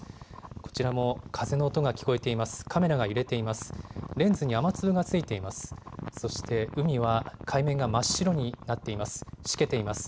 こちらも風の音が聞こえています。